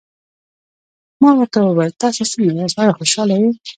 ما ورته وویل: تاسي څنګه یاست، آیا خوشحاله یې؟